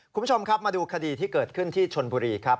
คุณผู้ชมครับมาดูคดีที่เกิดขึ้นที่ชนบุรีครับ